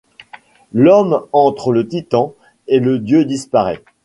L’homme entre le titan et le dieu disparaît